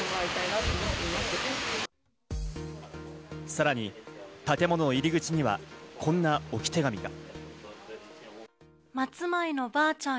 さらに、建物の入り口にはこんな置手紙が。